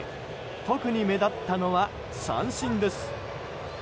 特に目立ったのは三振です。